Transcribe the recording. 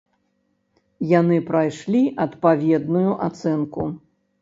Яны прайшлі адпаведную ацэнку.